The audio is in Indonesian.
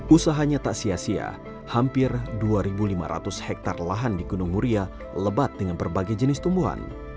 usahanya tak sia sia hampir dua lima ratus hektare lahan di gunung muria lebat dengan berbagai jenis tumbuhan